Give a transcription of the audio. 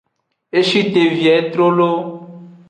E shi te vie trolo.